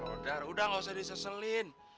udah udah gak usah diseselin